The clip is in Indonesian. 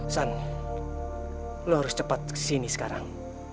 san lo harus cepat kesini sekarang